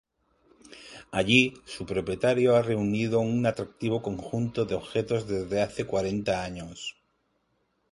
Allí, su propietario ha reunido un atractivo conjunto de objetos desde hace cuarenta años.